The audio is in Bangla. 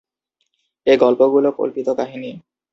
এ গল্পগুলো কল্পিত কাহিনী।